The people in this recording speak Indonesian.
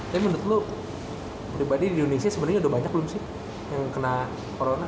tapi menurut lu pribadi di indonesia sebenarnya udah banyak belum sih yang kena corona